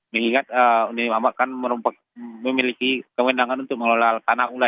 mengingat nilai mama kan memiliki kewenangan untuk mengelola tanah unggah